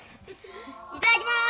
いただきます！